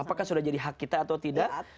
apakah sudah jadi hak kita atau tidak